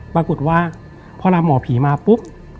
ปรากฏว่าพอลาหมอผีมาปุ๊บ